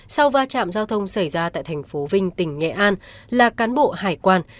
sau va chạm giao thông xảy ra tại thành phố vinh tỉnh nghệ an là cán bộ hải quan